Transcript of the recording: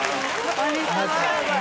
こんにちは